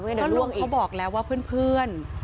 เพราะลุงเขาบอกแล้วว่าเพื่อน